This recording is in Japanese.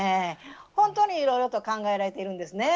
本当にいろいろと考えられているんですね。